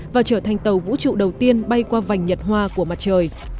và trở thành tàu vũ trụ đầu tiên bay qua vành nhật hoa của mặt trời